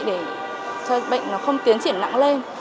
để cho bệnh nó không tiến triển nặng lên